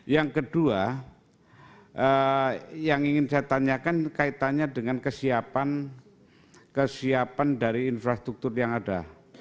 yang kedua yang ingin saya tanyakan kaitannya dengan kesiapan dari infrastruktur yang ada